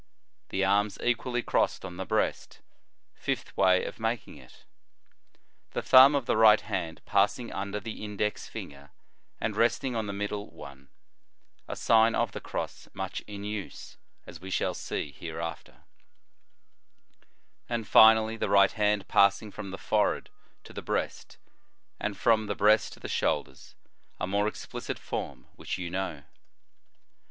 The arms equally crossed on the breast; fifth way of making it. The thumb of the right hand passing under the index finger and resting on the middle one ; a Sign of the Cross much in use, as we shall see hereafter. 94 The Sign of the Cross And finally, the right hand passing from the forehead to the breast, and from the breast to the shoulders; a more explicit form, which you know.